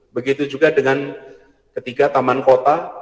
begitu juga dengan ketiga taman kota